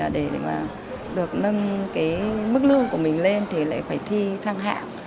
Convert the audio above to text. để mà được nâng cái mức lương của mình lên thì lại phải thi thăng hạng